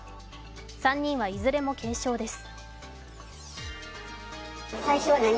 ３人はいずれも軽傷です。